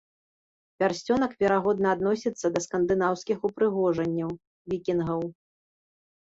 Пярсцёнак верагодна адносіцца да скандынаўскіх упрыгажэнняў вікінгаў.